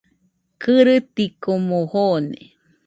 Kɨrɨtikomo joone